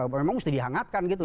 memang mesti dihangatkan gitu